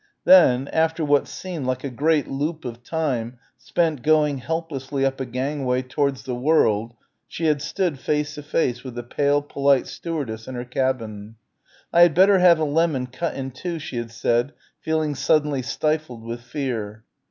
Then, after what seemed like a great loop of time spent going helplessly up a gangway towards "the world" she had stood, face to face with the pale polite stewardess in her cabin. "I had better have a lemon, cut in two," she had said, feeling suddenly stifled with fear.